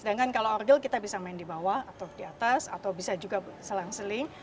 sedangkan kalau orgel kita bisa main di bawah atau di atas atau bisa juga selang seling